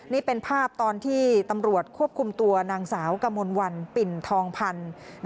นี่เป็นภาพตอนที่ตำรวจควบคุมตัวนางสาวกมลวันปิ่นทองพันธุ์